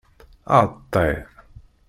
Aɛeṭṭay!